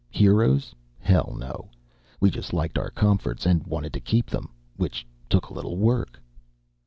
Heroes? Hell, no. We just liked our comforts, and wanted to keep them. Which took a little work.